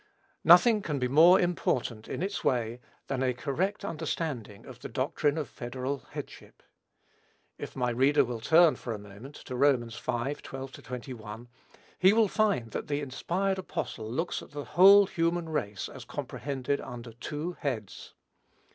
Nothing can be more important, in its way, than a correct understanding of the doctrine of federal headship. If my reader will turn, for a moment, to Rom. v. 12 21, he will find that the inspired apostle looks at the whole human race as comprehended under two heads.